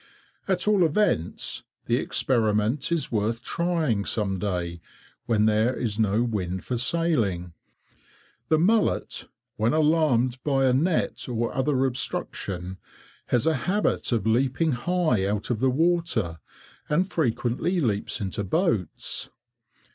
At all events, the experiment is worth trying some day when there is no wind for sailing. The mullet, when alarmed by a net or other obstruction, has a habit of leaping high out of the water, and frequently leaps into boats.